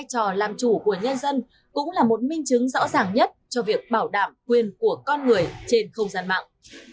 làm chủ của nhân dân cũng là một minh chứng rõ ràng nhất cho việc bảo đảm quyền của con người trên không gian mạng